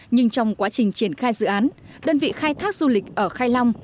nhưng trong quá trình triển khai dự án đơn vị khai thác du lịch ở khai long